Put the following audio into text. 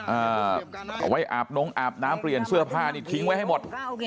เอาไว้อาบนงอาบน้ำเปลี่ยนเสื้อผ้านี่ทิ้งไว้ให้หมด